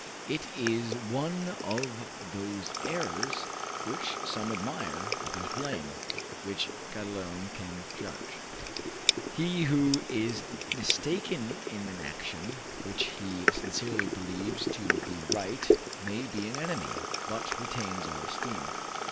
It is one of those errors which some admire, others blame; which God alone can judge. He who is mistaken in an action which he sincerely believes to be right may be an enemy, but retains our esteem.